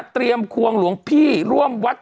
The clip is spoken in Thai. เตรียมควงหลวงพี่ร่วมวัด